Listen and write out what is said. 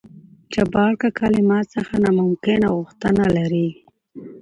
جبار کاکا له ما څخه نامکنه غوښتنه لري.